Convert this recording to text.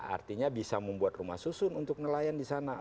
artinya bisa membuat rumah susun untuk nelayan di sana